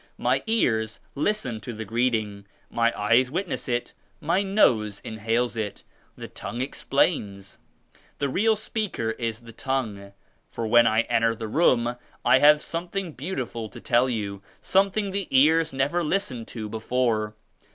My ears listen to the greeting, my eyes witoess it, my nose inhales it. The tongue ex plains. The real speaker is the tongue. For when I enter the room I have something beauti ful to tell you — something the ears never list ened to before.